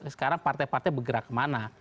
sekarang partai partai bergerak kemana